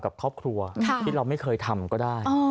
กับครอบครัวที่เราไม่เคยทำก็ได้